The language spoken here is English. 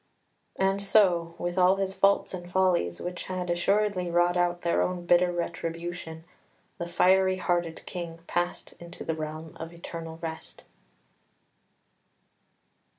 And so, with all his faults and follies, which had assuredly wrought out their own bitter retribution, the fiery hearted King passed into the realm of eternal rest.